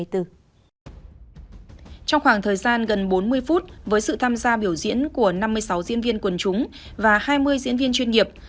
trong khoảng thời gian gần bốn mươi phút với sự tham gia biểu diễn của năm mươi sáu diễn viên quần chúng và hai mươi diễn viên chuyên nghiệp